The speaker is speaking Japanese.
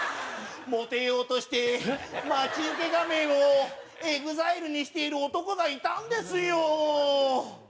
モテようとして待ち受け画面をＥＸＩＬＥにしている男がいたんですよぉー！